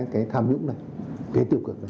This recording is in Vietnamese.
cái tham nhũng này cái tiêu cực này